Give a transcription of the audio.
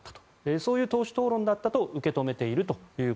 そういう党首討論だったと受け止めていると。